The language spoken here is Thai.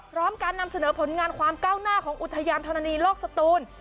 พร้อมการนำเสนอผลงานความก้าวหน้าของอุทยานธรณีโลกสตูน